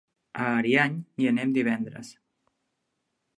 A Ariany hi anem divendres.